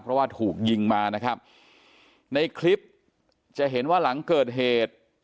เพราะว่าถูกยิงมานะครับในคลิปจะเห็นว่าหลังเกิดเหตุ